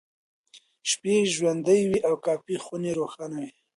شپې یې ژوندۍ وې او کافيخونې روښانه وې.